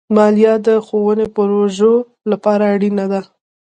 مالیه د ښوونې پروژو لپاره اړینه ده.